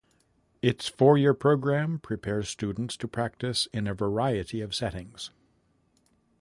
Its four-year program prepares students to practice in a variety of settings.